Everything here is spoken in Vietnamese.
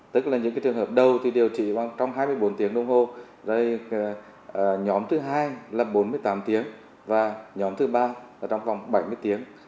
tức là những trường hợp đầu thì điều trị trong hai mươi bốn tiếng đồng hồ nhóm thứ hai là bốn mươi tám tiếng và nhóm thứ ba trong vòng bảy mươi tiếng